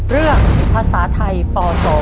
เรื่องภาษาไทยป๒